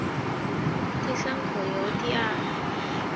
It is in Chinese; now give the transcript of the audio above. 碲酸可由碲或二氧化碲被双氧水或三氧化铬氧化制备。